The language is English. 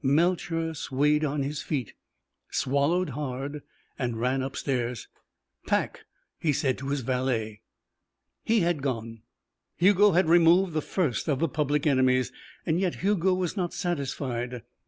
Melcher swayed on his feet, swallowed hard, and ran upstairs. "Pack," he said to his valet. He had gone; Hugo had removed the first of the public enemies. Yet Hugo was not satisfied.